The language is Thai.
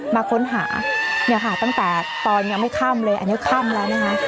มาค้นหาเนี่ยค่ะตั้งแต่ตอนยังไม่ค่ำเลยอันนี้ค่ำแล้วนะคะ